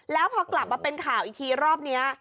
แล้วพอกลับมาเป็นข่าวอีกทีรอบนี้